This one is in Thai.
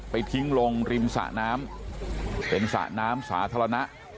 ทิ้งลงริมสะน้ำเป็นสระน้ำสาธารณะ